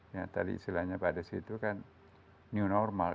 ya tadi istilahnya pada situ kan new normal